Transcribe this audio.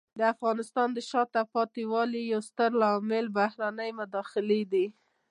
د افغانستان د شاته پاتې والي یو ستر عامل بهرنۍ مداخلې دي.